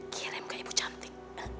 kirim ke ibu cantik